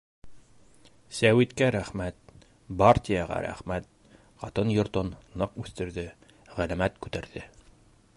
Сәүиткә рәхмәт, бартияға рәхмәт: ҡатын йортон ныҡ үҫтерҙе, ғәләмәт күтәрҙе.